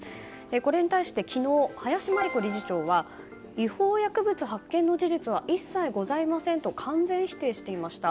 これに対して昨日林真理子理事長は違法薬物発見の事実は一切ございませんと完全否定していました。